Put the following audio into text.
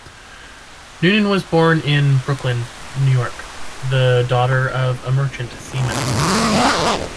Noonan was born in Brooklyn, New York, the daughter of a merchant seaman.